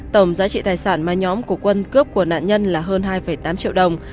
tổng giá trị tài sản mà nhóm của quân cướp của nạn nhân là hơn hai tám triệu đồng